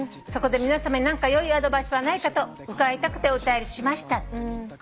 「そこで皆さまに何かよいアドバイスはないかと伺いたくてお便りしました」